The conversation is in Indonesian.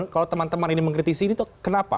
kalau teman teman ini mengkritisi ini tuh kenapa